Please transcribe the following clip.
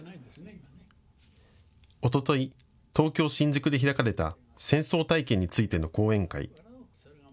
おととい、東京・新宿で開かれた戦争体験についての講演会。